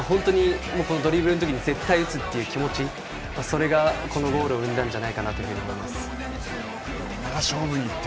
このドリブルの時に絶対に打つという気持ちそれが、このゴールを生んだんだと思います。